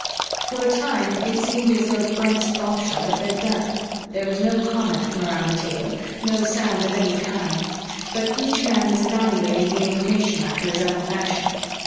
For a time it seemed as though Brent's bombshell had been a dud. There was no comment from around the table no sound of any kind. But each man was evaluating the information after his own fashion.